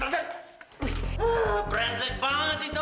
ah brengsek banget sih tolong